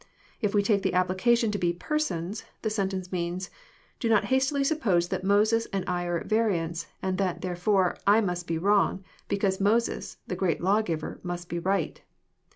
If we take the application to be to " persons," the sentence means, " Do not hastily suppose that Moses and I are at variance, and that, therefore, I must be wrong, because Moses, the great lawgiver, must height."